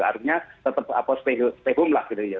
artinya tetap apa setehum lah gitu ya